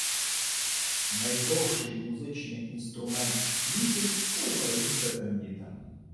Найдовший музичний інструмент у світі — це українська трембіта